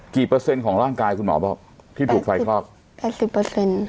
เปอร์เซ็นต์ของร่างกายคุณหมอบอกที่ถูกไฟคลอกแปดสิบเปอร์เซ็นต์